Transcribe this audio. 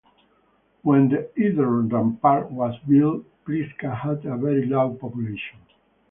When the earthen rampart was built, Pliska had a very low population.